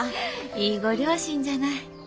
いいご両親じゃない。